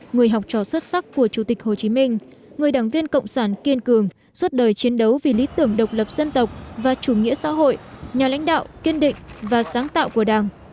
người học trò xuất sắc của chủ tịch hồ chí minh người đảng viên cộng sản kiên cường suốt đời chiến đấu vì lý tưởng độc lập dân tộc và chủ nghĩa xã hội nhà lãnh đạo kiên định và sáng tạo của đảng